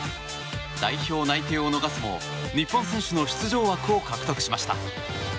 代表内定を逃すも日本選手の出場枠を獲得しました。